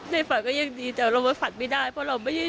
ฝันก็ยังดีแต่เรามาฝันไม่ได้เพราะเราไม่ได้